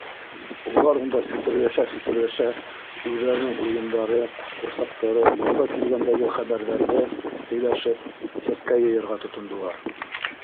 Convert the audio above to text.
Улар унда сүтерләшә-сүтерләшә үҙҙәренең уйындары, ҡурсаҡтары, юлда килгәндәге хәбәрҙәрҙе һөйләшеп сәскә йыйырға тотондолар.